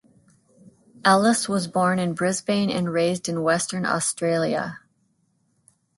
Ellis was born in Brisbane and raised in Western Australia.